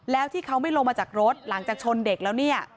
แล้วที่เขาไม่ลงมาจากรถหลังจากชนเด็กแล้วเนี่ย